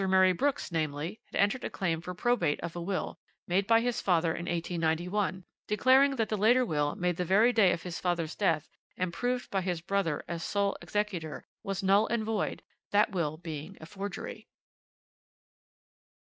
Murray Brooks, namely, had entered a claim for probate of a will, made by his father in 1891, declaring that the later will made the very day of his father's death and proved by his brother as sole executor, was null and void, that will being a forgery."